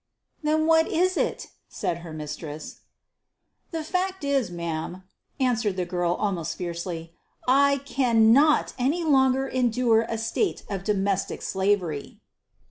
"Then what is it?" said her mistress. "The fact is, ma'am," answered the girl, almost fiercely, "I cannot any longer endure a state of domestic slavery."